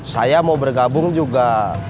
saya mau bergabung juga